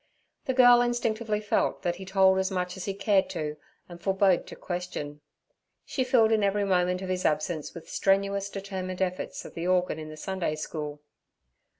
The girl instinctively felt that he told as much as he cared to, and forbode to question. She filled in every moment of his absence with strenuous, determined efforts at the organ in the Sunday school.